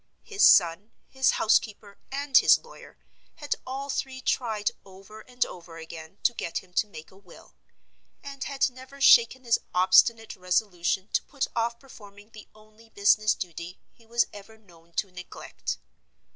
His son, his housekeeper, and his lawyer, had all three tried over and over again to get him to make a will; and had never shaken his obstinate resolution to put off performing the only business duty he was ever known to neglect.